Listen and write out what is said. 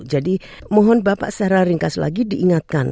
jadi mohon bapak secara ringkas lagi diingatkan